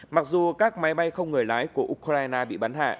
mặc dù các máy bay không người lái của ukraine bị bắn hạ